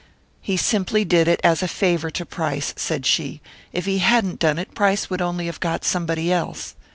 "He simply did it as a favour to Price," said she. "If he hadn't done it, Price would only have got somebody else.